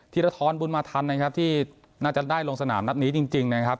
ธรทรบุญมาทันนะครับที่น่าจะได้ลงสนามนัดนี้จริงนะครับ